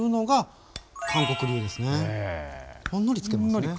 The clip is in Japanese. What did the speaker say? ほんのり付けますね。